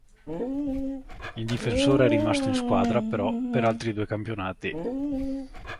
Il difensore è rimasto in squadra, però, per altri due campionati.